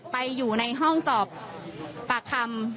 ไปอยู่ในห้องสอบปากคำ